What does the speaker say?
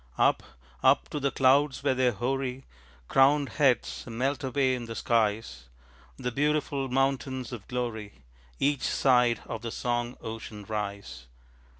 Up, up to the clouds where their hoary Crowned heads melt away in the skies, The beautiful mountains of glory Each side of the song ocean rise.